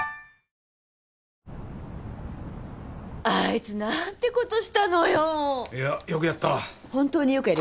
あいつ何てことしたのよ！